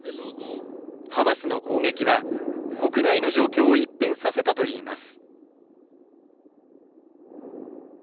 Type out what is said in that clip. ハマスの攻撃は、国内の状況を一変させたといいます。